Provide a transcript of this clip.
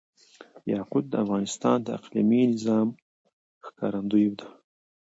یاقوت د افغانستان د اقلیمي نظام ښکارندوی ده.